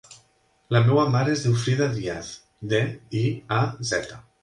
La meva mare es diu Frida Diaz: de, i, a, zeta.